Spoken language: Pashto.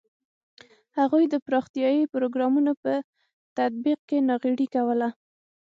هغوی د پراختیايي پروګرامونو په تطبیق کې ناغېړي کوله.